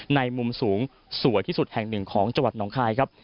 ในมุมสูงสวยที่สุดแห่งหนึ่งของจนคายครับ